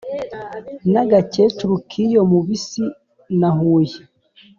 N'agacyecuru k'iyo mu Bisi na Huye